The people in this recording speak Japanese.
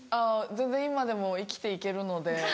全然今でも生きて行けるので。